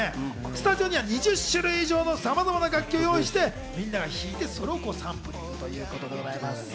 スタジオには２０種類以上のさまざまな楽器を用意して、みんなが弾いて、それをサンプリングということだそうです。